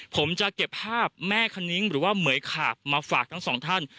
ผมจะเก็บภาพแม่คณิ้งหรือว่าเหมือยขาบมาฝากทั้งสองท่าน